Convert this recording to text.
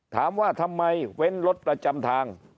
ถามว่าทำไมเว้นรถประจำทาง